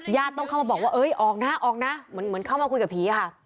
ต้องเข้ามาบอกว่าเอ้ยออกนะออกนะเหมือนเข้ามาคุยกับผีค่ะ